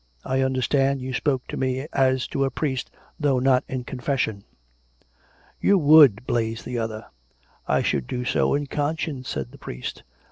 I under stood you spoke to me as to a priest, though not in con fession." " You would !" blazed the other. " I should do so in conscience," said the priest.